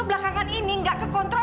belakangan ini gak kekontrol